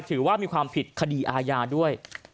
ถือว่ามีความผิดคดีอาญาด้วย